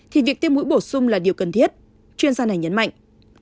thì việc tiêm mũi bổ sung là điều cần thiết chuyên gia này nhấn mạnh